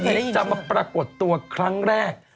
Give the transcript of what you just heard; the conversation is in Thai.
คนถือจำปรากฏตัวครั้งแรก